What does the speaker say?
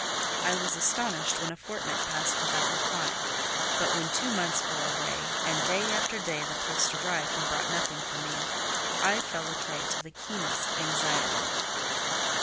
I was astonished when a fortnight passed without reply; but when two months wore away, and day after day the post arrived and brought nothing for me, I fell a prey to the keenest anxiety.